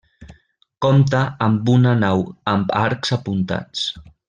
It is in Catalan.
Compta amb una nau amb arcs apuntats.